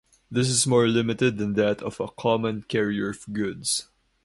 This is more limited than that of a common carrier of goods.